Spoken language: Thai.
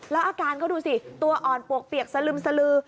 แล้วอาการเขาดูสิตัวอ่อนปวกเปียกสลึมสลือ